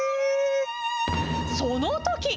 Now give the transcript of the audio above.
そのとき！